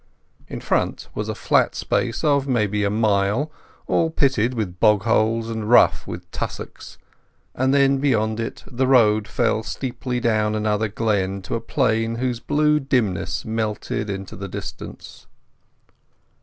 In front was a flat space of maybe a mile, all pitted with bog holes and rough with tussocks, and then beyond it the road fell steeply down another glen to a plain whose blue dimness melted into the distance.